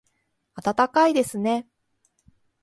暖かいですね